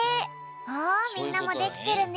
おみんなもできてるね。